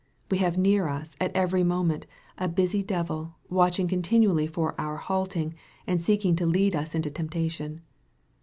We have near us, at every moment, a "busy devil, watching continually for our halting, and seeking to lead us into temptation.